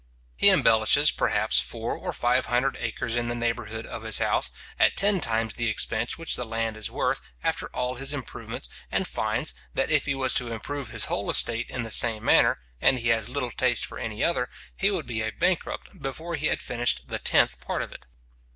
He embellishes, perhaps, four or five hundred acres in the neighbourhood of his house, at ten times the expense which the land is worth after all his improvements; and finds, that if he was to improve his whole estate in the same manner, and he has little taste for any other, he would be a bankrupt before he had finished the tenth part of it.